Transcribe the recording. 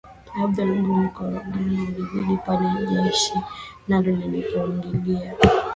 Abdullah Gul Mkorogano ulizidi pale jeshi nalo lilipoingilia